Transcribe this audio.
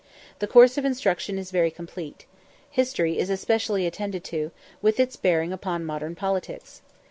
The course of instruction is very complete. History is especially attended to, with its bearing upon modern politics.